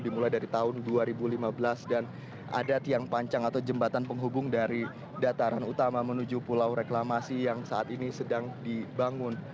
dimulai dari tahun dua ribu lima belas dan ada tiang pancang atau jembatan penghubung dari dataran utama menuju pulau reklamasi yang saat ini sedang dibangun